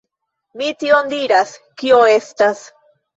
Mi tion diras, kio estas.